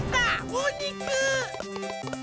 おにく！